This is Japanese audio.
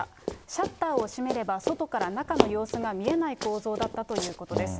シャッターを閉めれば、外から中の様子が見えない構造だったということです。